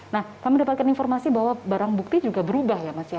nah kami mendapatkan informasi bahwa barang bukti juga berubah ya mas ya